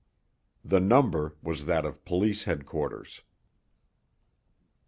The number was that of police headquarters.